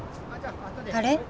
あれ？